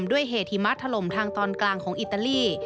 ด้วยเหตุหิมะถล่มทางตอนกลางของอิตาลี